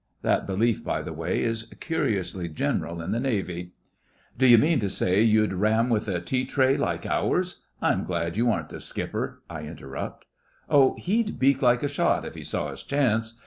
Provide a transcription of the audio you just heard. (That belief, by the way, is curiously general in the Navy.) 'D'you mean to say you'd ram with a tea tray like ours? I'm glad you aren't the skipper,' I interrupt. 'Oh, he'd beak like a shot, if he saw his chance.